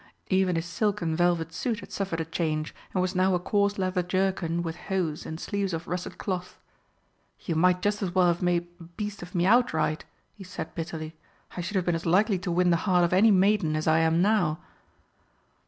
Even his silk and velvet suit had suffered a change and was now a coarse leather jerkin with hose and sleeves of russet cloth. "You might just as well have made a beast of me outright!" he said bitterly. "I should have been as likely to win the heart of any maiden as I am now."